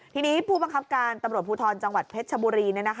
ทีนี้ผู้บังคับการตำรวจภูทรจังหวัดเพชรชบุรี